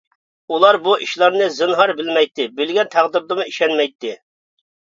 ئۇلار بۇ ئىشلارنى زىنھار بىلمەيتتى، بىلگەن تەقدىردىمۇ ئىشەنمەيتتى.